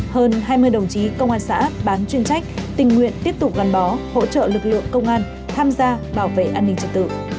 hơn hai mươi đồng chí công an xã bán chuyên trách tình nguyện tiếp tục gắn bó hỗ trợ lực lượng công an tham gia bảo vệ an ninh trật tự